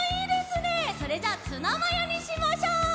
それじゃあツナマヨにしましょう！